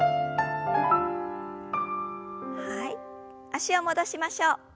脚を戻しましょう。